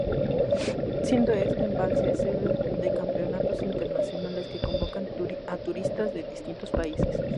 Siendo este embalse sede de campeonatos internacionales que convocan a turistas de distintos países.